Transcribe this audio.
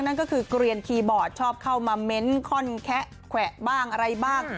นั่นก็คือเกลียนคีย์บอร์ดชอบเข้ามาเม้นข้อนแคะแขวะบ้างอะไรบ้าง